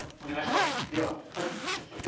では早速。